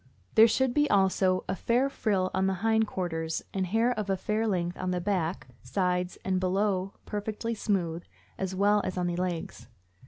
There should be also a fair frill on the hind quarters and hair of a fair length on the back, sides and below perfectly smooth, as well as on the legs.